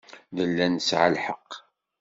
Nella nesɛa lḥeqq.